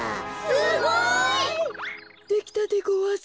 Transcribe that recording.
すごい。できたでごわす。